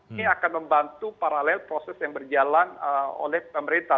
ini akan membantu paralel proses yang berjalan oleh pemerintah